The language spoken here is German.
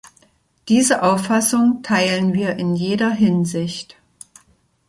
Diese Auffassung teilen wir in jeder Hinsicht.